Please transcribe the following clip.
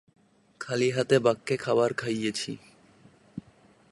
খালি হাতে বাঘ কে খাবার খাইয়েছি।